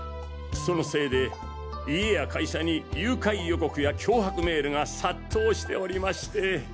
そのせいで家や会社に誘拐予告や脅迫メールが殺到しておりまして。